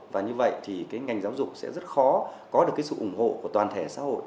và như vậy thì cái ngành giáo dục sẽ rất khó có được cái sự ủng hộ của toàn thể xã hội